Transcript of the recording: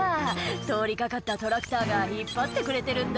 「通りかかったトラクターが引っ張ってくれてるんだ」